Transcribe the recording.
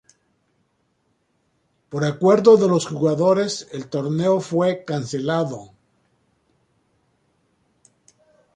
Por acuerdo de los jugadores, el torneo fue cancelado.